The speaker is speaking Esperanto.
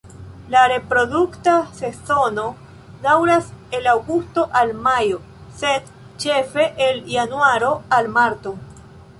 La reprodukta sezono daŭras el aŭgusto al majo, sed ĉefe el januaro al marto.